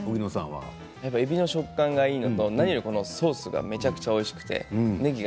えびの食感がいいのとソースがめちゃくちゃおいしくてねぎは？